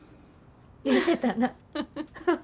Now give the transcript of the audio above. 言うてたな。